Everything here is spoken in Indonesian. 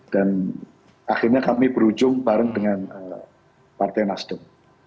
dan akhirnya kami berujung bareng dengan partai nasdem